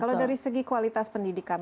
kalau dari segi kualitas pendidikan